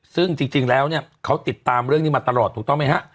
ซึ่งจริงแล้วเนี่ยเขาติดตามเรื่องนี้มาตลอดถูกต้องไหมฮะ